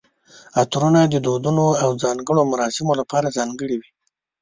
عطرونه د ودونو او ځانګړو مراسمو لپاره ځانګړي وي.